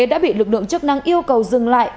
đã bị lực lượng chức năng yêu cầu dừng lại